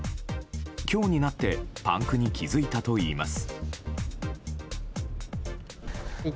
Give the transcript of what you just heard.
今日になってパンクに気付いたといいます。